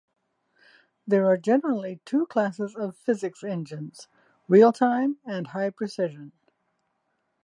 There are generally two classes of physics engines: real-time and high-precision.